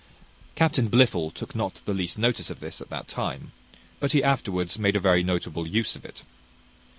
Captain Blifil took not the least notice of this, at that time; but he afterwards made a very notable use of it.